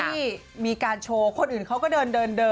ที่มีการโชว์คนอื่นเขาก็เดินเดิน